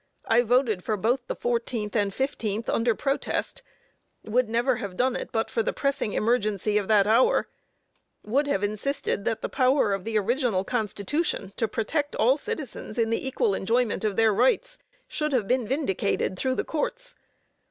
I voted for both the fourteenth and fifteenth under protest; would never have done it but for the pressing emergency of that hour; would have insisted that the power of the original Constitution to protect all citizens in the equal enjoyment of their rights should have been vindicated through the courts.